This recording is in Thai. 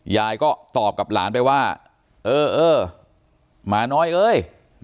ยายก็ตอบกับหลานไปว่าเออเออหมาน้อยเอ้ย